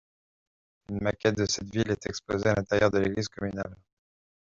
Une maquette de cette ville est exposée à l'intérieur de l'église communale.